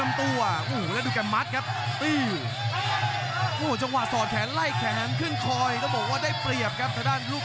มันมัดขวาเสียบด้วยเขาซ้าย